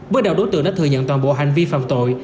bước đầu đối tượng đã thừa nhận toàn bộ hành vi phạm tội